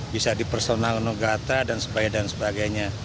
bisa dipersonal negata dan sebagainya